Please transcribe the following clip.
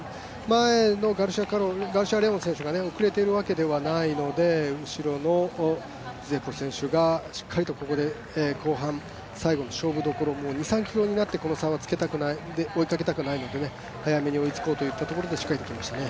前のガルシア・レオン選手が遅れているわけではないので後ろのズジェブウォ選手がしっかりと後半、最後の勝負どころ、もう２３ｋｍになってこの差は追いかけたくないので早めに追いつこうといったところで仕掛けましたね。